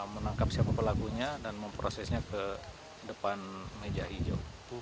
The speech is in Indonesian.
menangkap siapa pelakunya dan memprosesnya ke depan meja hijau